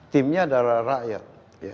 timnya adalah rakyat